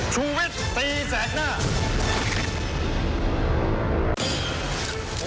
ชูวิทย์ตีแสกหน้า